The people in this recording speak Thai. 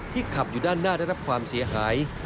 ขับอยู่ด้านหน้าได้รับความเสียหาย